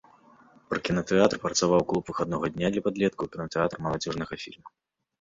Пры кінатэатры працаваў клуб выхаднога дня для падлеткаў і кінатэатр маладзёжнага фільма.